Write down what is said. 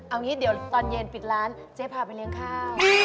เอางี้เดี๋ยวตอนเย็นปิดร้านเจ๊พาไปเลี้ยงข้าว